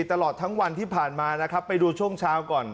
ตลอดทั้งวันที่ผ่านมานะครับไปดูช่วงเช้าก่อน